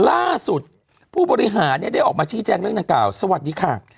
ล่าสุดผู้บริหารได้ออกมาชี้แจงเรื่องดังกล่าวสวัสดีค่ะ